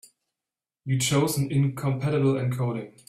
You chose an incompatible encoding.